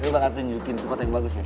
gue bakal tunjukin tempat yang bagus ya